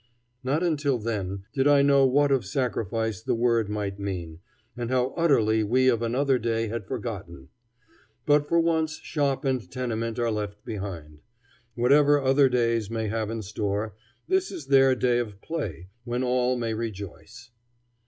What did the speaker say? not until then did I know what of sacrifice the word might mean, and how utterly we of another day had forgotten. But for once shop and tenement are left behind. Whatever other days may have in store, this is their day of play, when all may rejoice.